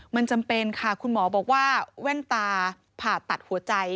มันจำเป็นค่ะคุณหมอบอกว่าแว่นตาผ่าตัดหัวใจ